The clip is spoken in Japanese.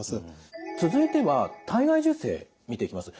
続いては体外受精見ていきます。